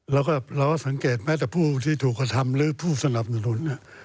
แล้วก็เราก็สังเกตแม้แต่ผู้ที่ถูกกระทำหรือผู้สนับสนุน